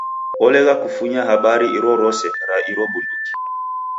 Olegha kufunya habari irorose ra iro bunduki.